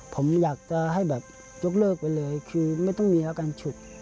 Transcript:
ผมอยากจะให้ยกเลิกไปเลยคือไม่ต้องมีแล้วกันฉุด